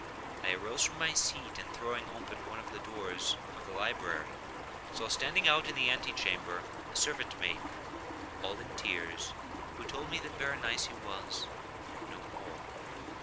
I arose from my seat, and throwing open one of the doors of the library, saw standing out in the ante chamber a servant maiden, all in tears, who told me that Berenice was—no more!